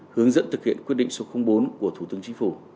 hướng dẫn thực hiện quyết định số bốn của thủ tướng chính phủ